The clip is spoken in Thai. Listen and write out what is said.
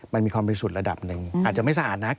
มันมีความบริสุทธิ์ระดับหนึ่งอาจจะไม่สะอาดนัก